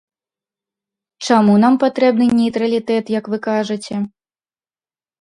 Чаму нам патрэбны нейтралітэт, як вы кажаце?